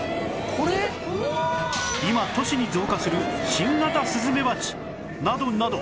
今都市に増加する新型スズメバチなどなど